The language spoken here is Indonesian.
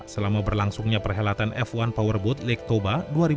selama berlangsungnya perhelatan f satu powerboat lake toba dua ribu dua puluh